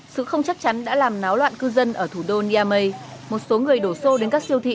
sự không chắc chắn đã làm náo loạn cư dân ở thủ đô niamey một số người đổ xô đến các siêu thị